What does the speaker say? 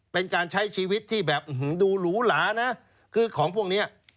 เป็นการใช้ชีวิตที่แบบดูหรูหลานะคือของพวกเนี้ย